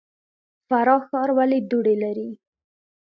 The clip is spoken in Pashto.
فراه ښار ولې دوړې لري؟